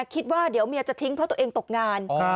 คิดว่าเดี๋ยวเมียจะทิ้งเพราะตัวเองตกงาน